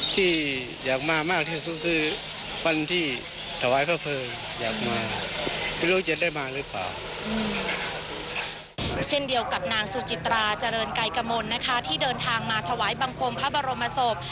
ที่เดินทางมาถวายบังคมพระบรมศพ